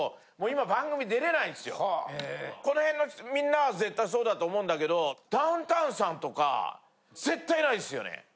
この辺のみんなは絶対そうだと思うんだけどダウンタウンさんとか絶対ないっすよね？